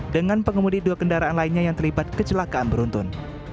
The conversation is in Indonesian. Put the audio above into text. dengan pengemudi dua kendaraan lainnya yang terlibat kecelakaan beruntun